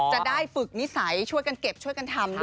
จะได้ฝึกนิสัยช่วยกันเก็บช่วยกันทำ